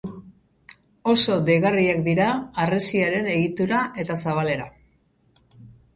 Oso deigarriak dira harresiaren egitura eta zabalera.